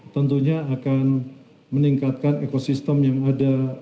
tentunya akan meningkatkan ekosistem yang ada